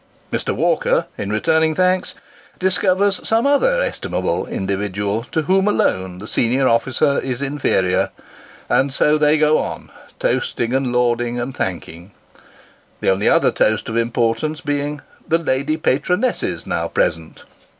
Mr. Walker, in returning thanks, discovers some other estimable individual, to whom alone the senior officer is inferior and so they go on toasting and lauding and thanking : the only other toast of importance being " The Lady Patronesses now present